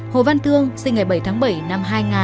hồ văn thương sinh ngày bảy tháng bảy năm hai nghìn